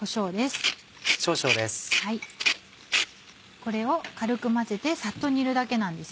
これを軽く混ぜてサッと煮るだけなんです。